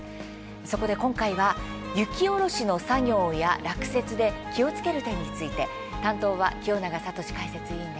そこで今回は雪下ろしの作業や落雪で気をつける点について担当は清永聡解説委員です。